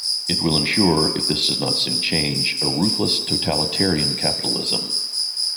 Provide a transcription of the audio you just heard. It will ensure, if this does not soon change, a ruthless totalitarian capitalism.